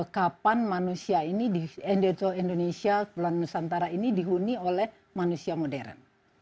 kapan manusia ini di indonesia pulau nusantara ini dihuni oleh manusia modern